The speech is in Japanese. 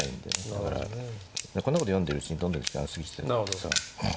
だからこんなこと読んでるうちにどんどん時間が過ぎちゃってさ。